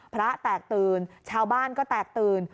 พระแตกตื่นชาวบ้านก็แตกตื่น